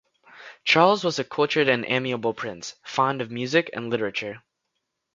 Charles was a cultured and amiable prince, fond of music and literature.